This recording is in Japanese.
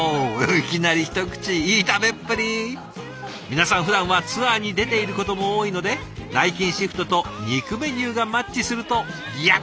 皆さんふだんはツアーに出ていることも多いので内勤シフトと肉メニューがマッチすると「ヤッタ！」って思うんですって。